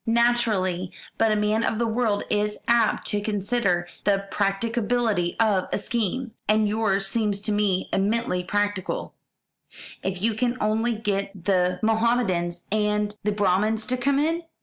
"Naturally. But a man of the world is apt to consider the practicability of a scheme. And yours seems to me eminently practical. If you can only get the Mohamedans and the Brahmins to come in!